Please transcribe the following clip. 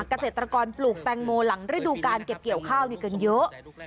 เกษตรกรปลูกแตงโมหลังฤดูการเก็บเกี่ยวข้าวกันเยอะ